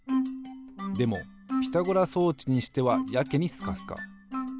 でもピタゴラ装置にしてはやけにスカスカ。